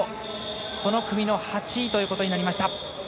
この組の８位ということになりました。